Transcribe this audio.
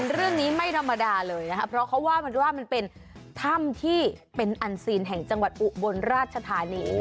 เรื่องนี้ไม่ธรรมดาเลยนะครับเพราะเขาว่ามันว่ามันเป็นถ้ำที่เป็นอันซีนแห่งจังหวัดอุบลราชธานี